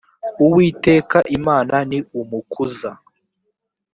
uwiteka imana ni umukuza .